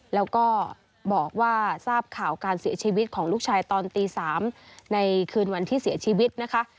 แล้วก็บอกว่าทราบข่าวการเสียชีวิตของลูกชายตอนตี๓ในคืนวันที่เสียชีวิตนะคะ